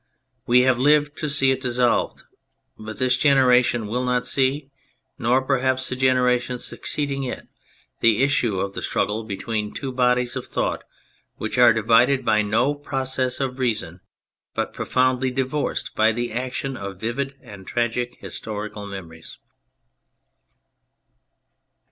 We have lived to see it dissolved; but this generation will not see, nor perhaps the generation succeeding it, the issue of the struggle between two bodies of thought which are divided by no process of reason, but profoundly divorced by the action of vivid and tragic historical naemories.